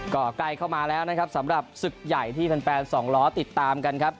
ก็ใกล้เข้ามาแล้วนะครับสำหรับศึกใหญ่ที่แฟนสองล้อติดตามกันครับ